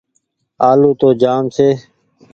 آلو تو جآم ڇي۔